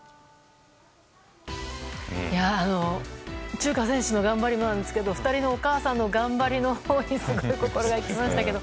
チューカ選手の頑張りもなんですが２人のお母さんの頑張りのほうにすごい心が動きましたけど。